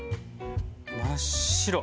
真っ白。